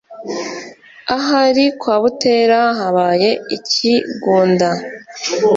Ahari kwa Butera Habaye ikigunda